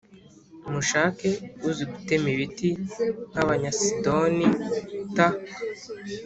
Mushake uzi gutema ibiti nk’Abanyasidoni t